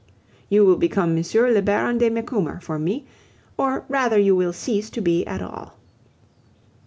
You will become M. le Baron de Macumer for me, or rather you will cease to be at all.